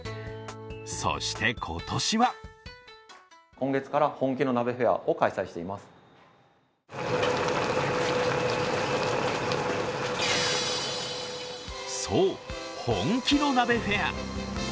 そして今年はそう、本気の鍋フェア。